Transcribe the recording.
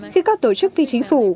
khi các tổ chức phi chính phủ